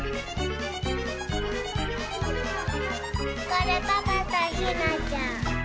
これパパとひなちゃん。